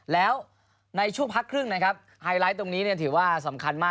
แล้วในช่วงพักครึ่งนะครับไฮไลท์ตรงนี้ถือว่าสำคัญมาก